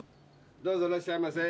どうぞいらっしゃいませ。